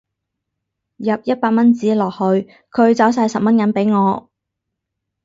入一百蚊紙落去佢找晒十蚊銀俾我